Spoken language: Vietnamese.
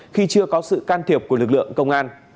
khi chưa có sự can thiệp của lực lượng công an